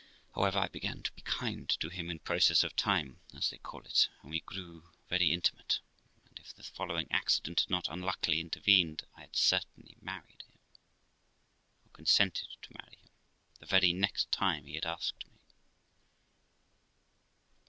However, I began to be kind to him in process of time, as they call it, and we grew very intimate; and, if the following accident had not unluckily intervened, I had certainly married him, or consented to marry him, the very next time he had asked me.